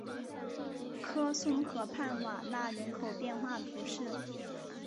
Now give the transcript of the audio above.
科松河畔瓦讷人口变化图示